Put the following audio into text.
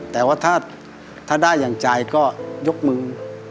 แต่ว่าถ้าได้อย่างใจก็ยกมือ